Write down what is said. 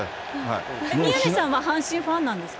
宮根さんは阪神ファンなんですか。